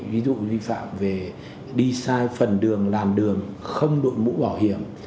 ví dụ vi phạm về đi sai phần đường làn đường không đội mũ bảo hiểm